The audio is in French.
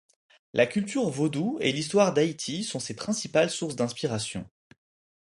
La culture vaudou et l'histoire d'Haïti sont ses principales sources d'inspiration.